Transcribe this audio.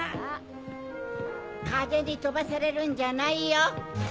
風に飛ばされるんじゃないよ！